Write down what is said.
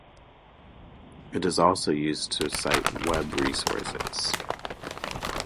It is also used to cite web resources.